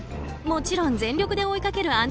もちろん全力で追いかける